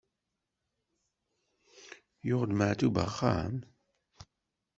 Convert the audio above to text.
Yuɣ-d Maɛṭub axxam?